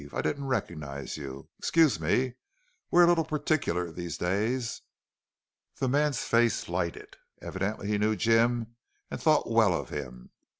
I didn't recognize you. Excuse me. We're a little particular these days." The man's face lighted. Evidently he knew Jim and thought well of him.